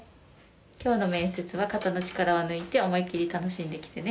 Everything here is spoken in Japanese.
今日の面接は肩の力を抜いて思いっきり楽しんできてね。